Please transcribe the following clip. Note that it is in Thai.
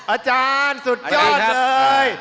อาจารย์สุดยอดเลย